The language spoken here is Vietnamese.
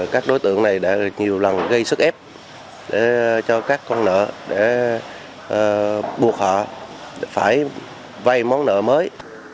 các đối tượng này đã nhiều lần gây sức ép cho các con nợ để buộc họ phải vay món nợ mới